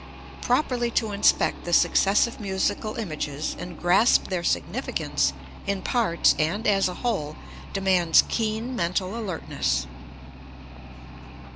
Properly to inspect the successive musical images, and grasp their significance, in parts and as a whole, demands keen mental alertness.